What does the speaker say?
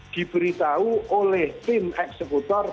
diberitahu oleh tim eksekutor